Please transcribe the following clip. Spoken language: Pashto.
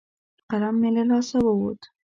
قلم مې له لاسه ووت.